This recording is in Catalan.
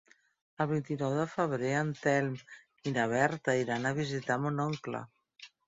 El vint-i-nou de febrer en Telm i na Berta iran a visitar mon oncle.